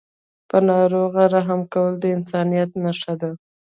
په ناروغ رحم کول د انسانیت نښه ده.